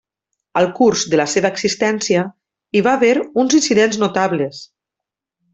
Al curs de la seva existència, hi va haver uns incidents notables.